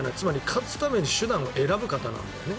勝つために手段を選ぶ方なんだよね。